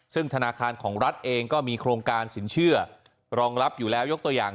ซึ่งธนาคารของรัฐเองก็มีโครงการสินเชื่อรองรับอยู่แล้วยกตัวอย่าง